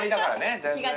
全然。